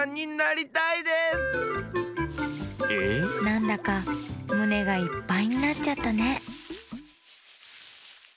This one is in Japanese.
なんだかむねがいっぱいになっちゃったね